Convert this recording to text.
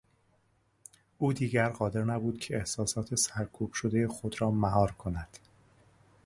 او دیگر قادر نبود که احساسات سرکوب شدهی خود را مهار کند.